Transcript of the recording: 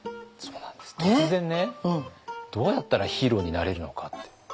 突然ねどうやったらヒーローになれるのかって。